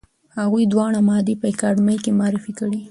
هغوی دواړه مادې په اکاډمۍ کې معرفي کړې.